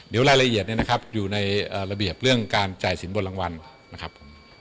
เดี๋ยวรายละเอียดเนี่ยนะครับอยู่ในระเบียบเรื่องการจ่ายสินบนรางวัลนะครับผม